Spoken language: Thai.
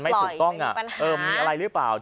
มันไม่ถูกต้องน่ะมีปัญหาเออมีอะไรหรือเปล่าอืม